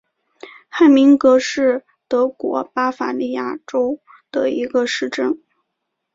海明格是德国巴伐利亚州的一个市镇。